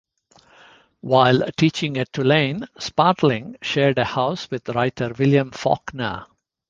While teaching at Tulane, Spratling shared a house with writer William Faulkner.